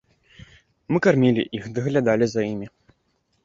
Мы кармілі іх, даглядалі за імі.